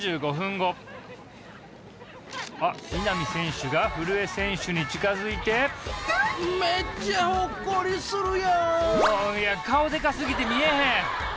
あっ稲見選手が古江選手に近づいてめっちゃほっこりするやん顔でか過ぎて見えへん！